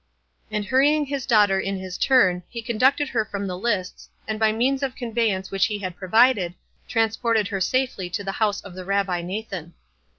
And hurrying his daughter in his turn, he conducted her from the lists, and by means of conveyance which he had provided, transported her safely to the house of the Rabbi Nathan.